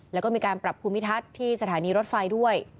แล้วก็มีการปรับภูมิทัศน์ที่สถานีรถไฟด้วย